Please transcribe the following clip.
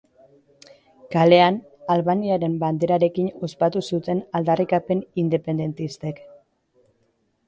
Kalean, Albaniaren banderarekin ospatu zuten aldarrikapen independentistek.